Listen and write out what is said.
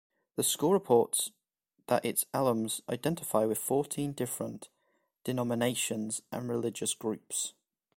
The school reports that its alums identify with fourteen different "denominations and religious groups".